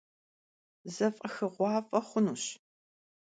Zef'exığuaf'e xhunuş.